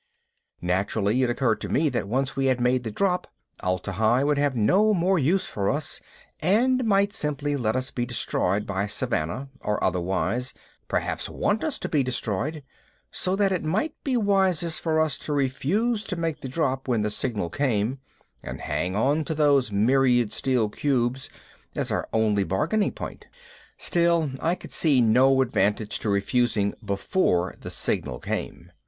Naturally it occurred to me that once we had made the drop, Atla Hi would have no more use for us and might simply let us be destroyed by Savannah or otherwise perhaps want us to be destroyed so that it might be wisest for us to refuse to make the drop when the signal came and hang onto those myriad steel cubes as our only bargaining point. Still, I could see no advantage to refusing before the signal came.